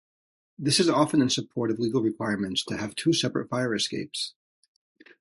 This is often in support of legal requirements to have two separate fire escapes.